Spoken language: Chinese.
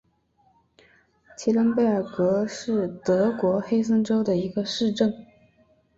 齐伦贝尔格是德国黑森州的一个市镇。